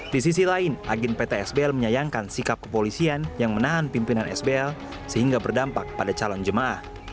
di sisi lain agen pt sbl menyayangkan sikap kepolisian yang menahan pimpinan sbl sehingga berdampak pada calon jemaah